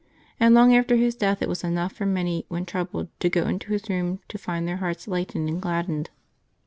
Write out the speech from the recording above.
And long after his death it was enough for many, when troubled, to go into his room to find their hearts lightened and gladdened.